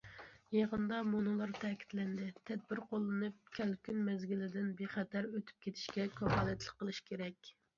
يىغىندا مۇنۇلار تەكىتلەندى: تەدبىر قوللىنىپ، كەلكۈن مەزگىلىدىن بىخەتەر ئۆتۈپ كېتىشكە كاپالەتلىك قىلىش كېرەك.